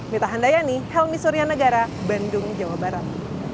mitahandayani helmi suryanegara bandung jawa barat